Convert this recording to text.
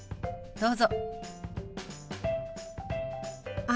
どうぞ。